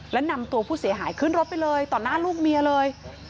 และนำตัวผู้เสียหายขึ้นรถไปเลยต่อหน้าลูกเมียเลย